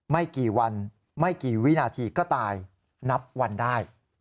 ไม่กี่วันไม่กี่วินาทีก็ตายนับวันได้